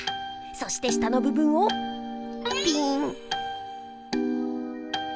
そして下のぶ分をピーン！